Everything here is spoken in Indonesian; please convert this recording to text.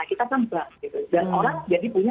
kita nembak dan orang jadi punya